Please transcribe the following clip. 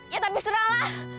ya tapi serahlah